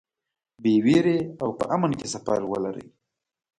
بې وېرې او په امن کې سفر ولرئ.